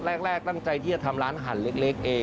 แรกตั้งใจจะทำร้านอาหารเล็กเอง